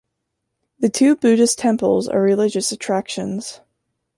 The two Buddhist temples are religious attractions.